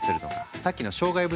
さっきの障害物